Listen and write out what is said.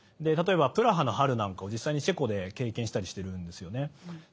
例えばプラハの春なんかを実際にチェコで経験したりしてるんですよね。